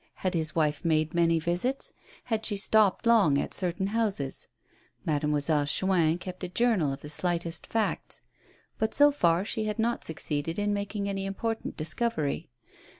Had his wife made many visits? Had she stopped long at certain houses ? Mademoiselle Chuin kept a journal of the slightest facts, but so far she had not succeeded in making any important discovery.